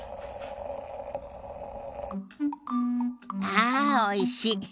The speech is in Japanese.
ああおいし。